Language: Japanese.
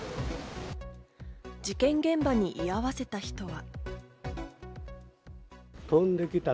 事件現場に居合わせた人は。